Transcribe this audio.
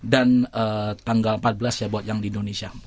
dan tanggal empat belas ya buat yang di indonesia